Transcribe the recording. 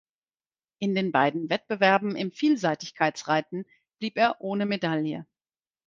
In den beiden Wettbewerben im Vielseitigkeitsreiten blieb er ohne Medaille.